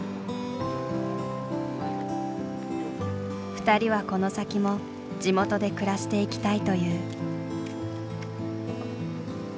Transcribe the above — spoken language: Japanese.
２人はこの先も地元で暮らしていきたいという。